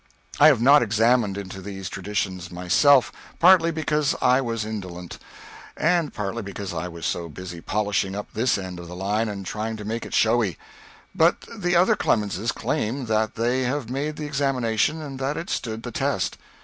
I have not examined into these traditions myself, partly because I was indolent, and partly because I was so busy polishing up this end of the line and trying to make it showy; but the other Clemenses claim that they have made the examination and that it stood the test.